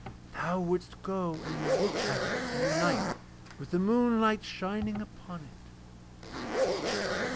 Thou wouldst go and look at it in the night with the moonlight shining upon it.'